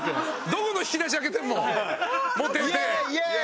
どこの引き出し開けてもモテて。